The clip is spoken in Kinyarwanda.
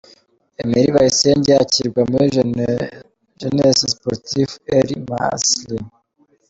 Emery Bayisenge yakirwa muri Jeunesse Sportive El Massira.